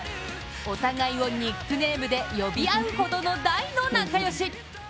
お互いをニックネームで呼び合うほどの大の仲良し。